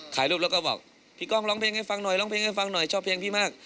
ถ่ายรูปแล้วก็บอกพี่ก้องร้องเพลงให้ฟังหน่อยชอบเพลงพี่มาก